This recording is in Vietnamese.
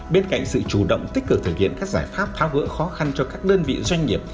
bên cạnh sự chủ động tích cực thực hiện các giải pháp tháo gỡ khó khăn cho các đơn vị doanh nghiệp